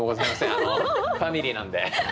あのファミリーなんで。